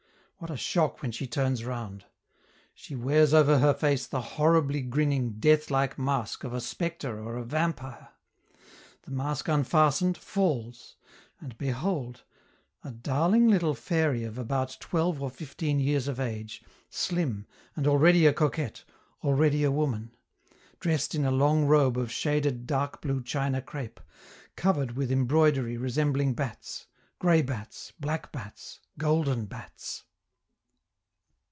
What a shock when she turns round! She wears over her face the horribly grinning, death like mask of a spectre or a vampire. The mask unfastened, falls. And behold! a darling little fairy of about twelve or fifteen years of age, slim, and already a coquette, already a woman dressed in a long robe of shaded dark blue china crape, covered with embroidery representing bats gray bats, black bats, golden bats.